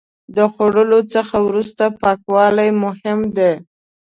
د خوړو څخه وروسته پاکوالی مهم دی.